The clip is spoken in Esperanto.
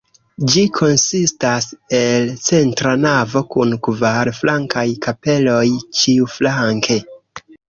Ĝi konsistas el centra navo kun kvar flankaj kapeloj ĉiuflanke.